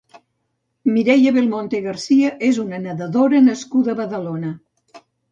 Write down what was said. Mireia Belmonte García és una nedadora nascuda a Badalona.